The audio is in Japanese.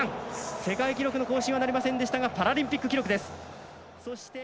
世界記録の更新はなりませんでしたがパラリンピック記録です。